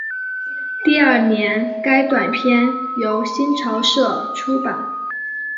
第二年该短篇由新潮社出版。